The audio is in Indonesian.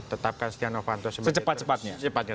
tetapkan stiano fanto secepat cepatnya